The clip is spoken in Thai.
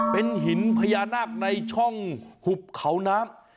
เป็นหินพญานาคในช่องหุบเขาน้ำ